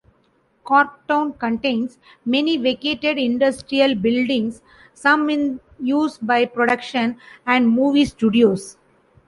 Corktown contains many vacated industrial buildings, some in use by production and movie studios.